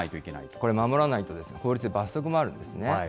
これ守らないと、法律で罰則もあるんですね。